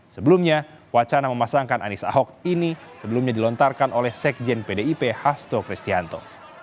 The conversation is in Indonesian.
sebelumnya wacana memasangkan anies ahok ini sebelumnya dilontarkan oleh sekjen pdip hasto kristianto